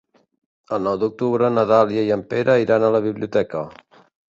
El nou d'octubre na Dàlia i en Pere iran a la biblioteca.